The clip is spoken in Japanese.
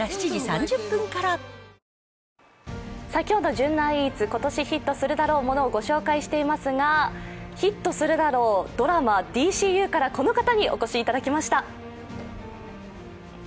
今日のｊｕｎｎａｒＥａｔｓ、今年ヒットするであろうものを御紹介していますが、ヒットするだろうドラマ、「ＤＣＵ」からこの方にお越しいただきました。